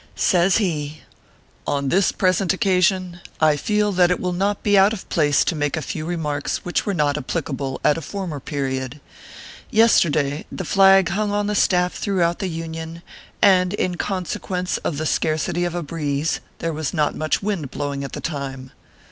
Says he :" On this present occasion, I feel that it will not be out of place to make a few remarks which were not applicable at a former period. Yesterday, the flag hung on the staff throughout the Union, and in con sequence of the scarcity of a breeze, there was not much wind blowing at the time.